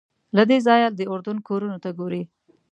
له دې ځایه د اردن کورونو ته ګورې.